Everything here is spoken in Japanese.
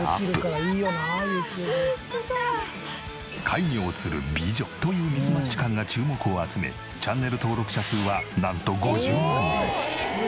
怪魚を釣る美女というミスマッチ感が注目を集めチャンネル登録者数はなんと５０万人。